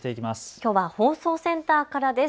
きょうは放送センターからです。